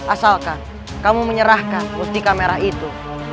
asalkan kamu menyerahkan mustika merah itu